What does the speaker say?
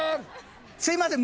すいません